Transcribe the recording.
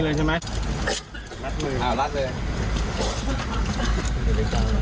แล้วก็มันทำอะไรนะผลักกุญแจครับผลักกุญแจ